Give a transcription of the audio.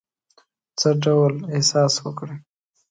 څه ډول احساس وکړی.